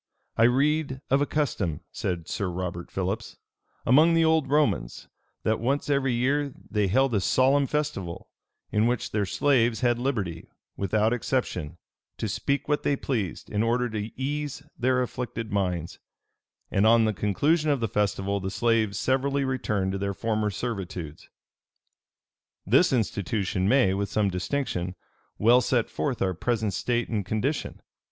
"I read of a custom," said Sir Robert Philips, "among the old Romans, that once every year they held a solemn festival, in which their slaves had liberty, without exception, to speak what they pleased, in order to ease their afflicted minds; and, on the conclusion of the festival, the slaves severally returned to their former servitudes. "This institution may, with some distinction, well set forth our present state and condition.